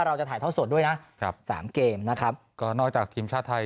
เราจะถ่ายท่อสดด้วยนะครับสามเกมนะครับก็นอกจากทีมชาติไทย